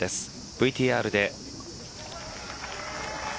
ＶＴＲで。